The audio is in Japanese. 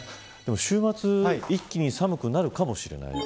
週末、一気に寒くなるかもしれない。